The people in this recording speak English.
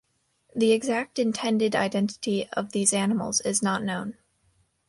The exact intended identity of these animals is not known.